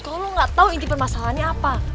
kalo lo gak tau inti permasalahannya apa